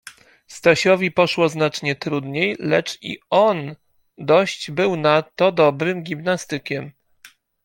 Stasiowi poszło znacznie trudniej, lecz i on dość był na to dobrym gimnastykiem.